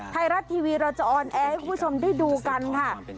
ไทยรัฐทีวีเราจะออนแอร์ให้คุณผู้ชมได้ดูกันค่ะ